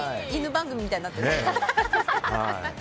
番組みたいになってる。